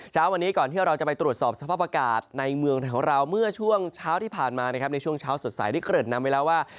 เช้าวันนี้ก่อนที่เราจะไปตรวจสอบสภาพอากาศในเมืองไทยของเราเมื่อช่วงเช้าที่ผ่านมานะครับในช่วงเช้าสดใสได้เกริ่นนำไว้แล้วว่า